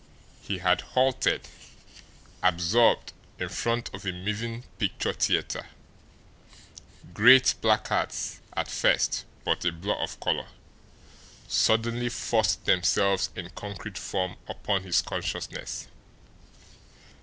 He had halted, absorbed, in front of a moving picture theatre. Great placards, at first but a blur of colour, suddenly forced themselves in concrete form upon his consciousness.